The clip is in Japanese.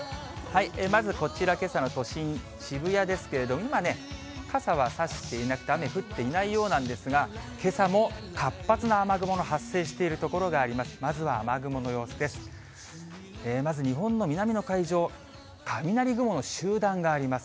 まずこちら、けさの都心、渋谷ですけれども、今ね、傘は差していなくて、雨降っていないようなんですが、けさも活発な雨雲の発生している所があります。